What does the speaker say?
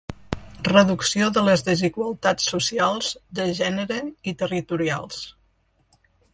Reducció de les desigualtats socials, de gènere i territorials.